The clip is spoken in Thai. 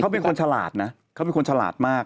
เขาเป็นคนฉลาดนะเขาเป็นคนฉลาดมาก